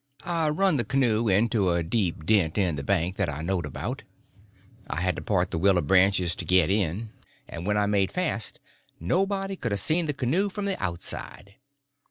I run the canoe into a deep dent in the bank that I knowed about; I had to part the willow branches to get in; and when I made fast nobody could a seen the canoe from the outside.